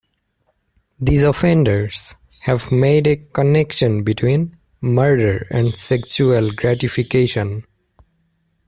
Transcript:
These offenders have made a connection between murder and sexual gratification.